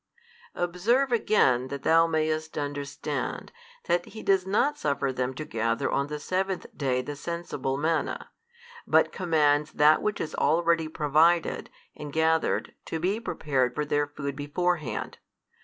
Observe again, that thou mayest understand, that He does not suffer them to gather on the seventh day the sensible manna, but commands that which is already provided and gathered to be prepared for their food beforehand.